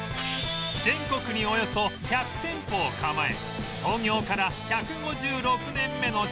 全国におよそ１００店舗を構え創業から１５６年目の老舗